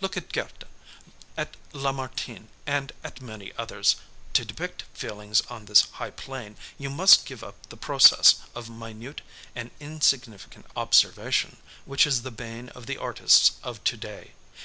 Look at Goethe, at Lamartine and at many others! To depict feelings on this high plane, you must give up the process of minute and insignificant observation which is the bane of the artists of to day.